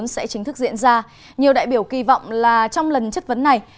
sẽ chính thức diễn ra nhiều đại biểu kỳ vọng là trong lần chất vấn này